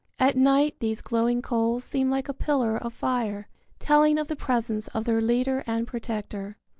At night these glowing coals seem like a pillar of fire, telling of the presence of their leader and protector.